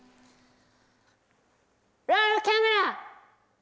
ロールキャメラ！